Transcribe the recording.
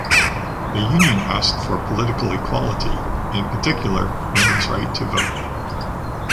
The Union asked for political equality, in particular women’s right to vote.